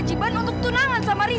saya akan selamatkan kamu terus